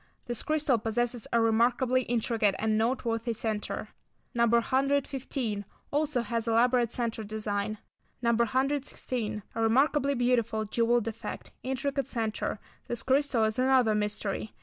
This crystal possesses a remarkably intricate and noteworthy centre. No. 115. Also has elaborate centre design. No. 116. A remarkably beautiful, jewelled effect; intricate centre. This crystal is another mystery.